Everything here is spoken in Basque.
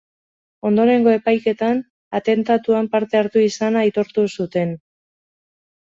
Ondorengo epaiketan, atentatuan parte hartu izana aitortu zuten.